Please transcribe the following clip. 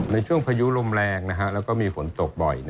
ในช่วงพายุลมแรงแล้วก็มีฝนตกบ่อย